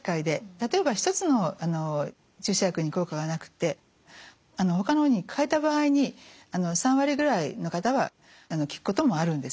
例えば１つの注射薬に効果がなくてほかのに替えた場合に３割ぐらいの方は効くこともあるんですね。